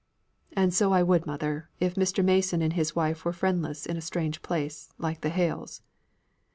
"And so I would, mother, if Mr. Mason and his wife were friendless in a strange place, like the Hales."